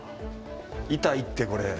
痛いってこれ。